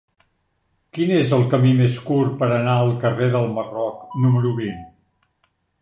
Quin és el camí més curt per anar al carrer del Marroc número vint?